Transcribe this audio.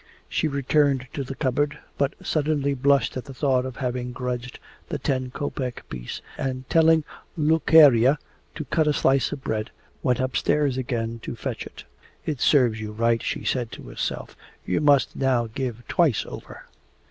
She returned to the cupboard, but suddenly blushed at the thought of having grudged the ten kopek piece, and telling Lukerya to cut a slice of bread, went upstairs again to fetch it. 'It serves you right,' she said to herself. 'You must now give twice over.